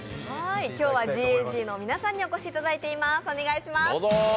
今日はＧＡＧの皆さんにお越しいただいています。